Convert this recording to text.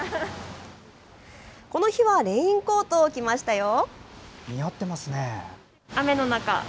この日はレインコートを着ましたよ。